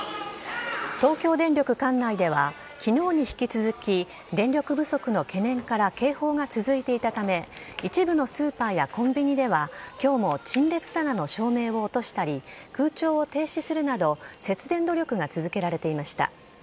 東京電力管内では、きのうに引き続き、電力不足の懸念から警報が続いていたため、一部のスーパーやコンビニではきょうも陳列棚の照明を落としたり、空調を停止するなど節電努力が続けられていました。